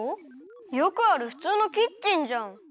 よくあるふつうのキッチンじゃん。